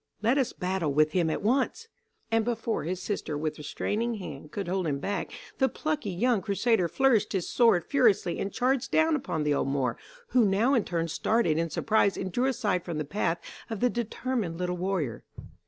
Let us battle with him at once." And before his sister with restraining hand, could hold him back the plucky young crusader flourished his sword furiously and charged down upon the old Moor, who now in turn started in surprise and drew aside from the path of the determined little warrior.